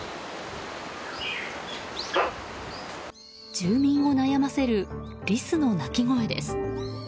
住民を悩ませるリスの鳴き声です。